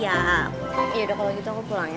ya yaudah kalau gitu aku pulang ya